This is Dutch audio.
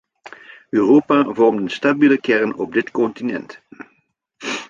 Europa vormt een stabiele kern op dit continent.